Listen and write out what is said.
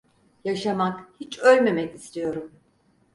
Yaşamak, hiç ölmemek istiyorum…